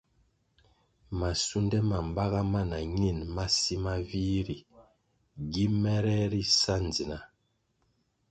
Masunde ma baga ma na ñin masi ma vih ri gi mere ri sa ndzina.